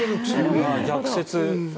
逆説。